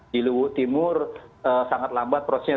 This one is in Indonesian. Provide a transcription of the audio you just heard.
di luwu timur sangat lambat prosesnya